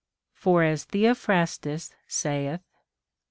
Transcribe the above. For as Theophrastus saith.